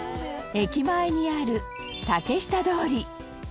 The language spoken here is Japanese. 駅前にある、竹下通り